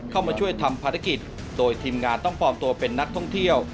เข้ามาช่วยทำภารกิจโดยทีมงานต้องปลอมตัวเป็นนักท่องเที่ยว